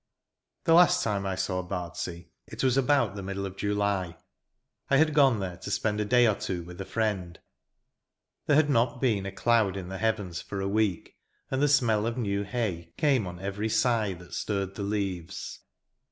The last time I saw Bardsea it was about the middle of July. I had gone there to spend a day or two with a friend. There had not been a cloud on the heavens for a week; and the smell of new hay came on every sigh that stirred the leaves.